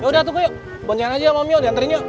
yaudah tukuyuk bonjangan aja sama mio diantarin yuk